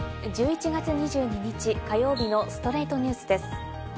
１１月２２日、火曜日の『ストレイトニュース』です。